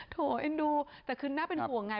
โถยดูแต่คือน่าเป็นห่วงไง